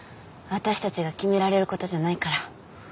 私たちが決められる事じゃないから。